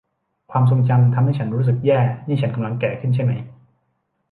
ความทรงจำทำให้ฉันรู้สึกแย่ นี่ฉันกำลังแก่ขึ้นใช่ไหม